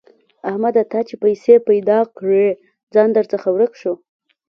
احمده! تا چې پيسې پیدا کړې؛ ځان درڅخه ورک شو.